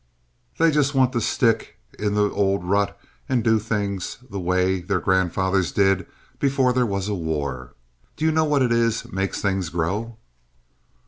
"They just want to stick in the old rut and do things the way their grandfathers did before there was a war, Do you know what it is makes things grow?"